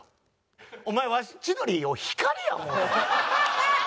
お前わし千鳥を光や思うんか？